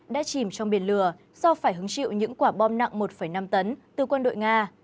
đã chìm trong biển lửa do phải hứng chịu những quả bom nặng một năm tấn từ quân đội nga